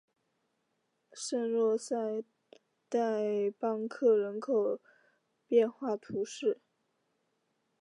圣若塞代邦克人口变化图示